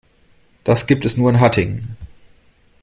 Das gibt es nur in Hattingen